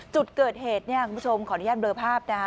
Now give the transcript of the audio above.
จุดเกิดเหตุเนี่ยคุณผู้ชมขออนุญาตเบลอภาพนะคะ